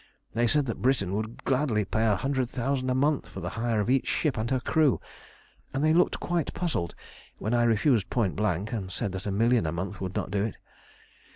They said Britain would gladly pay a hundred thousand a month for the hire of each ship and her crew; and they looked quite puzzled when I refused point blank, and said that a million a month would not do it.